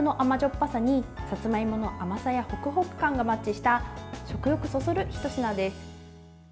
っぱさにさつまいもの甘さやホクホク感がマッチした食欲そそる、ひと品です。